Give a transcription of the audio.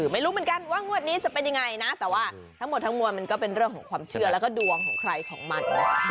ไม่รู้เหมือนกันว่างวดนี้จะเป็นยังไงนะแต่ว่าทั้งหมดทั้งมวลมันก็เป็นเรื่องของความเชื่อแล้วก็ดวงของใครของมันนะคะ